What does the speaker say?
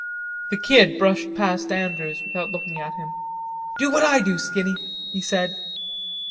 The Kid brushed past Andrews without looking at him. "Do what I do, Skinny," he said.